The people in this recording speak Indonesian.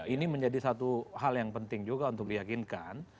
ini menjadi satu hal yang penting juga untuk diyakinkan